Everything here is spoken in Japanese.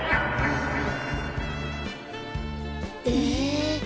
え。